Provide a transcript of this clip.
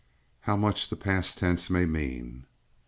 How much the past tense may mean!